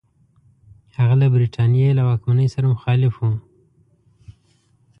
هغه له برټانیې له واکمنۍ سره مخالف وو.